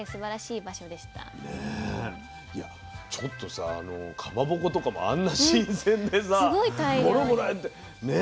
いやちょっとさかまぼことかもあんな新鮮でさごろごろ入ってね